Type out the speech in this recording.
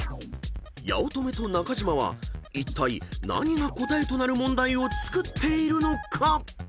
［八乙女と中島はいったい何が答えとなる問題を作っているのか］